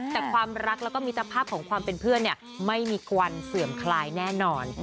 แต่ความรักแล้วก็มิตรภาพของความเป็นเพื่อนไม่มีควันเสื่อมคลายแน่นอน